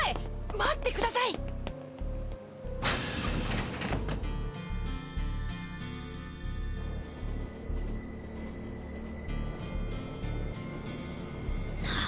待ってください！なぁ。